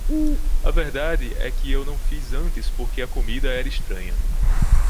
A verdade é que eu não fiz antes porque a comida era estranha.